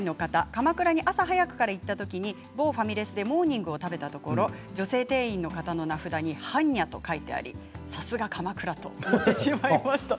鎌倉に朝早くから行ったときに某ファミレスでモーニングを食べたところ女性店員の方の名札にはんにゃと書いてありさすが鎌倉と思ってしまいました。